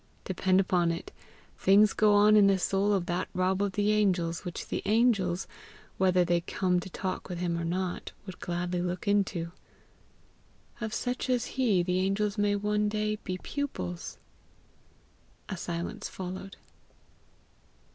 Depend upon it, things go on in the soul of that Rob of the Angels which the angels, whether they come to talk with him or not, would gladly look into. Of such as he the angels may one day be the pupils." A silence followed.